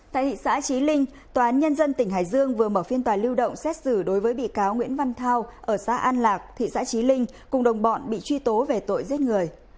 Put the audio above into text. tại thị xã trí linh tòa án nhân dân tỉnh hải dương vừa mở phiên tòa lưu động xét xử đối với bị cáo nguyễn văn thao ở xã an lạc thị xã trí linh cùng đồng bọn bị truy tố về tội giết người